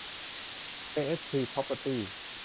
เจ เอส พี พร็อพเพอร์ตี้